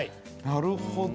なるほど。